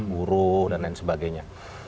buruh dan lain sebagainya